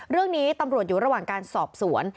เรื่องนี้ตำรวจอยู่ระหว่างการสอบสวน